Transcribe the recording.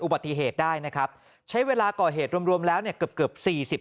อุบัติเหตุได้นะครับใช้เวลาก่อเหตุรวมแล้วเนี่ยเกือบ๔๐